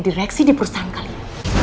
direksi di perusahaan kalian